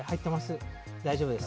大丈夫です。